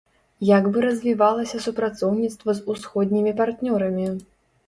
Як бы развівалася супрацоўніцтва з усходнімі партнёрамі?